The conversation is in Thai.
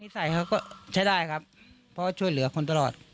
ใส่เขาก็ใช้ได้ครับเพราะช่วยเหลือคนตลอด